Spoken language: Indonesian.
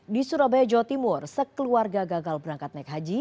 di surabaya jawa timur sekeluarga gagal berangkat naik haji